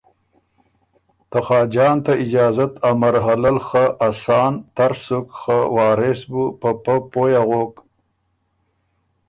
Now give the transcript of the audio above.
ته خاجان ته اجازت ا مرحلۀ ل خه اسان تر سُک خه وارث بُو په پۀ پوی اغوک